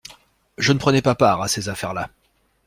Je ne prenais pas part à ces affaires-là.